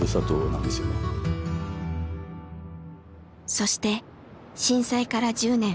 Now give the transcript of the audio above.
そして震災から１０年。